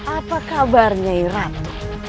apa kabarnya ratu